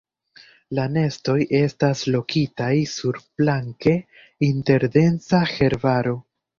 La nestoj estas lokitaj surplanke inter densa herbaro.